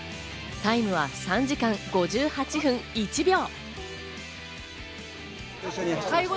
タイムは３時間５８分１秒。